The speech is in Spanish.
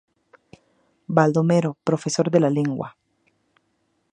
Baldomero profesor de lengua